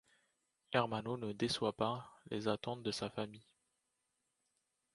Ermanno ne déçoit pas les attentes de sa famille.